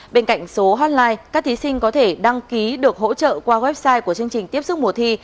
bên cạnh số hotline các thí sinh có thể đăng ký được hỗ trợ qua website của chương trình tiếp xúc mùa thi